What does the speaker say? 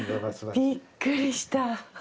びっくりした。